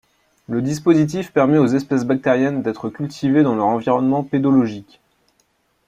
Le dispositif permet aux espèces bactériennes d'être cultivées dans leur environnement pédologique.